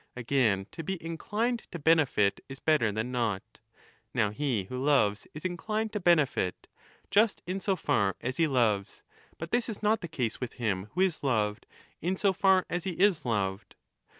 Again, to be inclined to benefit is better than not ; now he who loves is inclined to benefit, just in so far as he loves, but this is not the case with him who is loved, in so far as he is loved.